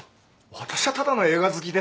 私はただの映画好きで。